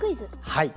はい。